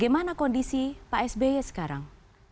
bagaimana kondisi pak sby sekarang